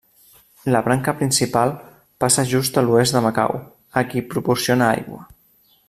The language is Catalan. La branca principal passa just a l'oest de Macau a qui proporciona aigua.